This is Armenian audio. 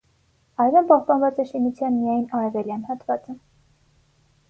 Այժմ պահպանված է շինության միայն արևելյան հատվածը։